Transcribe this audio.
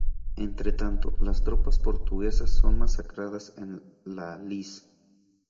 Entre tanto, las tropas portuguesas son masacradas en La Lys.